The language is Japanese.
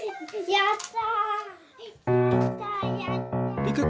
やった！